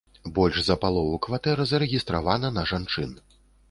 Больш за палову кватэр зарэгістравана на жанчын.